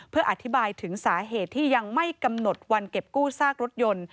เพื่ออธิบายถึงสาเหตุที่ยังไม่กำหนดวันเก็บกู้ซากรถยนต์